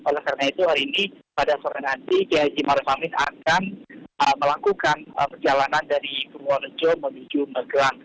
oleh karena itu hari ini pada sore nanti kiai haji maruf amin akan melakukan perjalanan dari purworejo menuju magelang